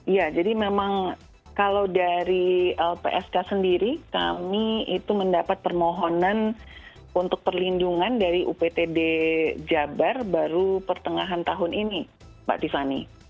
ya jadi memang kalau dari lpsk sendiri kami itu mendapat permohonan untuk perlindungan dari uptd jabar baru pertengahan tahun ini mbak tiffany